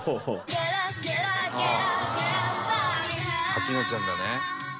「明菜ちゃんだね」